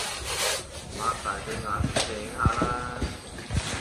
擘大對眼醒下啦